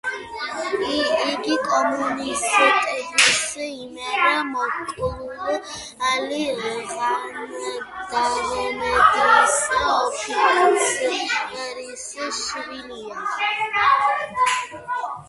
იგი კომუნისტების მიერ მოკლული ჟანდარმერიის ოფიცრის შვილია.